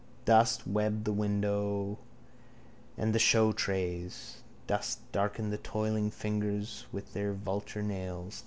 Dust webbed the window and the showtrays. Dust darkened the toiling fingers with their vulture nails.